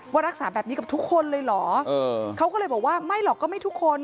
ว่ารักษาแบบนี้กับทุกคนเลยเหรอเขาก็เลยบอกว่าไม่หรอกก็ไม่ทุกคน